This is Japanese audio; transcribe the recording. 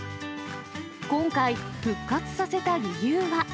今回、復活させた理由は。